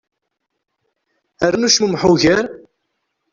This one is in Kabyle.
Rnu cmummeḥ ugar.